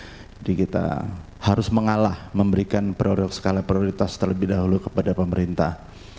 jadi kita harus mengalah memberikan skala prioritas terlebih dahulu kepada pemerintah